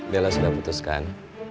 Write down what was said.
bella sudah putuskan